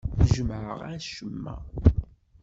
Ur jemmɛeɣ acemma.